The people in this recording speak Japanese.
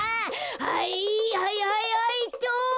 はいはいはいはいっと。